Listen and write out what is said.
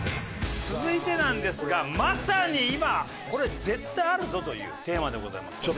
続いてなんですがまさに今これ絶対あるぞというテーマでございます。